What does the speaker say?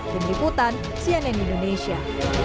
dengan liputan cnn indonesia